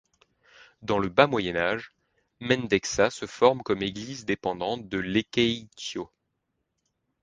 Dans le bas Moyen Âge, Mendexa se forme comme église dépendante de Lekeitio.